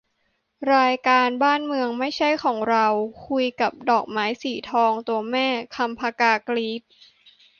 รายการ 'บ้านเมืองไม่ใช่ของเรา' คุยกับ ดอกไม้สีทอง ตัวแม่ 'คำ ผกา' กรี๊ด